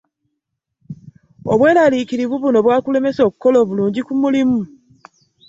Obweraliikirivu buno bwakulemesa okukola obulungi ku mulimu?